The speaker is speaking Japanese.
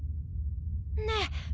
ねえ。